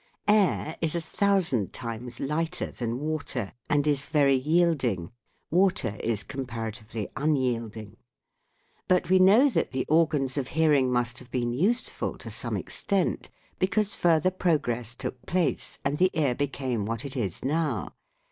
Air is a thousand times lighter than water, and is very yielding ; water is comparatively 140 THE WORLD OF SOUND unyielding. But we know that the organs of hearing must have been useful to some extent, because further progress took place and the ear became what it is now.